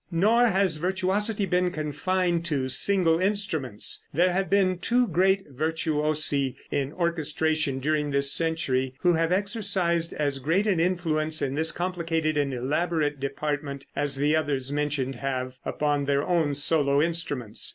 Nor has virtuosity been confined to single instruments. There have been two great virtuosi in orchestration, during this century, who have exercised as great an influence in this complicated and elaborate department, as the others mentioned have upon their own solo instruments.